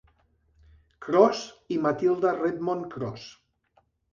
Cross i Matilda Redmond Cross.